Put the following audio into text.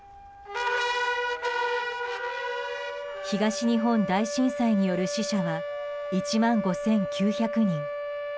東日本大震災による死者は１万５９００人。